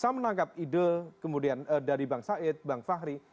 saya menangkap ide kemudian dari bang said bang fahri